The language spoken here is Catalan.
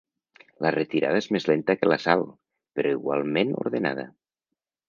La retirada és més lenta que l'assalt, però igualment ordenada.